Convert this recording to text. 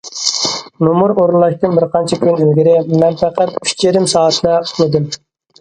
نومۇر ئورۇنلاشتىن بىر قانچە كۈن ئىلگىرى مەن پەقەت ئۈچ يېرىم سائەتلا ئۇخلىدىم.